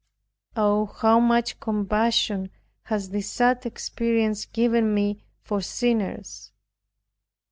Oh, how much compassion has this sad experience given me for sinners.